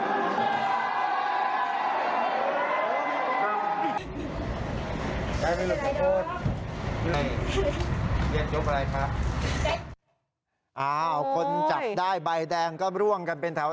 คนจับได้ใบแดงก็ร่วมกันเป็นแถว